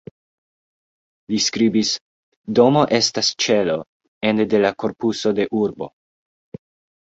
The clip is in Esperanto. Li skribis:"Domo estas ĉelo ene de la korpuso de urbo.